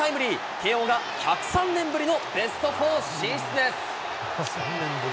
慶応が１０３年ぶりのベスト４進出です。